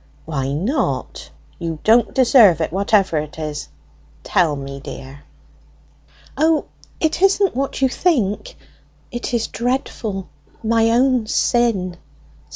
"Why not? You don't deserve it, whatever it is. Tell me, dear." "O, it isn't what you think! It is dreadful: my own sin!"